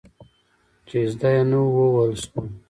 چې زده نه وو، ووهل شول.